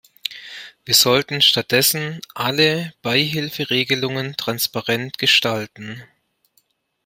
Wir sollten statt dessen alle Beihilferegelungen transparent gestalten.